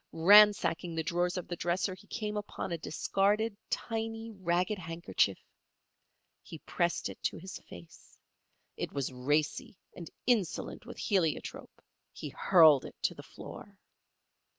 Ransacking the drawers of the dresser he came upon a discarded, tiny, ragged handkerchief. He pressed it to his face. It was racy and insolent with heliotrope; he hurled it to the floor.